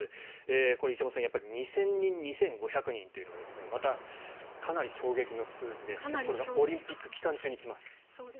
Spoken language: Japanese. これ、石山さん、２０００人２５００人というのはまた、かなり衝撃の数字でしかも、これがオリンピック期間中に来ます。